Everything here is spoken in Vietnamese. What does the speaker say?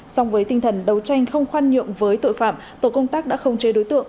song với tinh thần đấu tranh không khoan nhượng với tội phạm tổ công tác đã không chế đối tượng